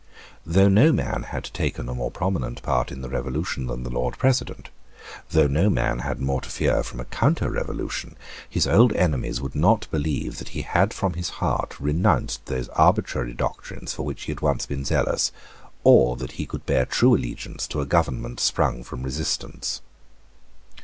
Though no man had taken a more prominent part in the Revolution than the Lord President, though no man had more to fear from a counterrevolution, his old enemies would not believe that he had from his heart renounced those arbitrary doctrines for which he had once been zealous, or that he could bear true allegiance to a government sprung from resistance.